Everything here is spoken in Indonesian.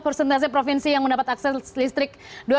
presentasi provinsi yang mendapat akses listrik dua ribu lima belas